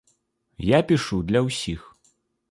Я пішу для ўсіх.